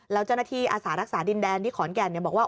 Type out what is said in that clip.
แล้วเจ้าหน้าที่อาสารักษาดินแดนที่ขอนแก่นบอกว่า